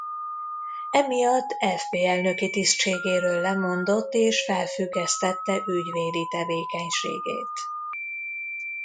Emiatt fb-elnöki tisztségéről lemondott és felfüggesztette ügyvédi tevékenységét.